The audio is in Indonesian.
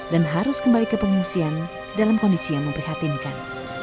dan harus kembali ke pengungsian dalam kondisi yang memprihatinkan